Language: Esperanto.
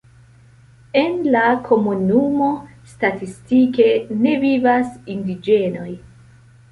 En la komunumo statistike ne vivas indiĝenoj.